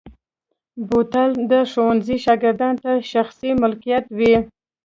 بوتل د ښوونځي شاګردانو ته شخصي ملکیت وي.